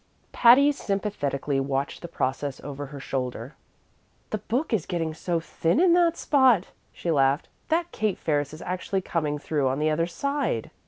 Patty sympathetically watched the process over her shoulder. "The book is getting so thin in that spot," she laughed, "that Kate Ferris is actually coming through on the other side.